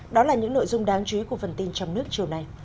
đó là những nội dung đáng chú ý của phần tin trong nước chiều nay